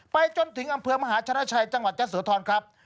ไปจนถึงอำเภอมหาชนะชัยจังหวัดยะโสธรครับ